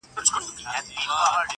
• له دې سببه تاریکه ستایمه,